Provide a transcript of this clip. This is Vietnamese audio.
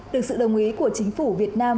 được sự đồng ý của chính phủ việt nam